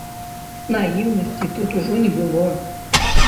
Наіўнасці тут ужо не было.